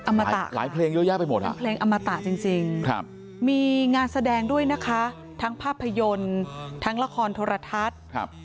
มาตะหลายเพลงเยอะแยะไปหมดอ่ะเพลงอมตะจริงมีงานแสดงด้วยนะคะทั้งภาพยนตร์ทั้งละครโทรทัศน์